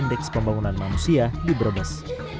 dan teknik pembangunan manusia di brebes